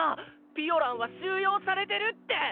ピオランは収容されてるってッ。